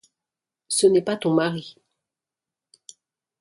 Ce n’est pas ton mari.